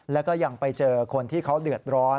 แล้วก็ยังไปเจอคนที่เขาเดือดร้อน